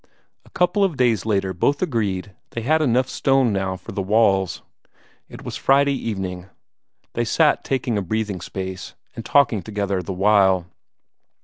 A couple of days later both agreed they had enough stone now for the walls. It was Friday evening; they sat taking a breathing space, and talking together the while.